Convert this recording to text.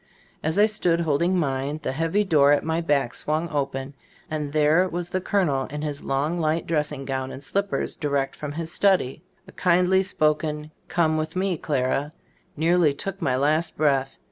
As I stood holding mine, the heavy door at my back swung open, and there was the colonel, in his long, light dressing gown and slippers, di rect from his study. A kindly spoken "come with me, Clara," nearly took my last breath.